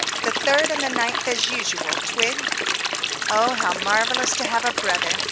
"The third and the ninth as usual. Twig?" Oh, how marvellous to have a brother!